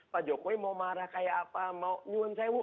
pak jokowi mau marah kayak apa mau nyun sewu